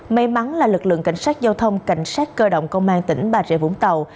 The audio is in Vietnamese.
may mắn là lực lượng cảnh sát giao thông cảnh sát cơ động công an tỉnh bà rịa vũng tàu